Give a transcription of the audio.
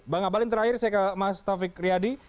bang abalin terakhir saya ke mas taufik riyadi